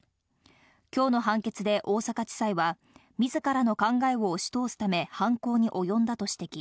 今日の判決で大阪地裁は、自らの考えを押し通すため犯行におよんだと指摘。